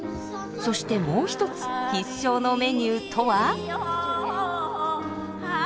そしてもう一つ必勝のメニューとは？